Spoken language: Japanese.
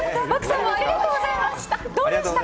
漠さんもありがとうございました。